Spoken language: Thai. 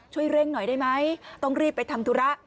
ช่วยเร่งหน่อยได้ไหมต้องรีบไปทำธุระ